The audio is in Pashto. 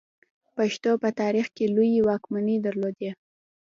پښتنو په تاریخ کې لویې واکمنۍ درلودې